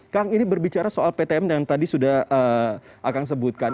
kang ini berbicara soal ptm yang tadi sudah akang sebutkan